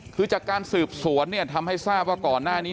คือจากการสืบสวนเนี่ยทำให้ทราบว่าก่อนหน้านี้